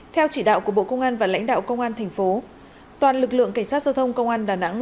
theo chỉ đạo của bộ công an và lãnh đạo công an thành phố toàn lực lượng cảnh sát giao thông công an đà nẵng